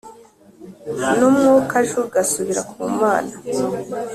n umwukajugasubira ku Mana